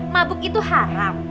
mabuk itu haram